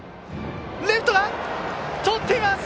レフトがとっています！